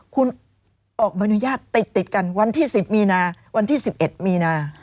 คุณออกใบอนุญาตติดกันวันที่๑๐มีนาวันที่๑๑มีนา